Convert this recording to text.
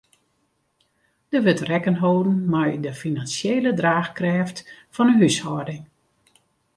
Der wurdt rekken holden mei de finansjele draachkrêft fan 'e húshâlding.